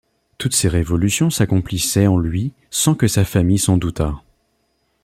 Toutes ces révolutions s’accomplissaient en lui sans que sa famille s’en doutât.